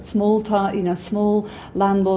atau pembangunan kecil untuk melakukannya